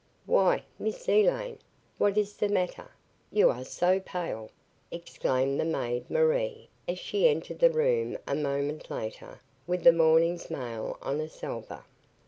"Why, Miss Elaine what ees ze mattair? You are so pale!" exclaimed the maid, Marie, as she entered the room a moment later with the morning's mail on a salver.